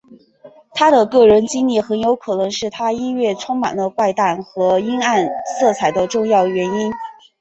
他的个人经历很有可能是他音乐充满了怪诞和阴暗色彩的重要原因。